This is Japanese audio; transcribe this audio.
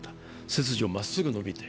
背筋をまっすぐ伸びて。